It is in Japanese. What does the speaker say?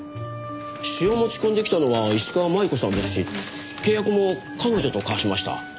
詩を持ち込んできたのは石川真悠子さんですし契約も彼女と交わしました。